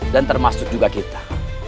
dan termasuk juga kita